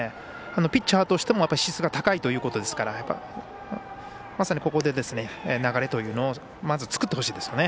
ピッチャーとしても質が高いということですからまさにここで、流れというのをまず作ってほしいですよね。